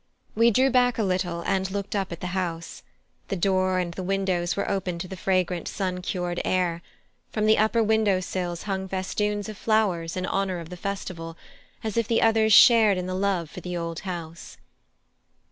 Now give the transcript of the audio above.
We drew back a little, and looked up at the house: the door and the windows were open to the fragrant sun cured air; from the upper window sills hung festoons of flowers in honour of the festival, as if the others shared in the love for the old house.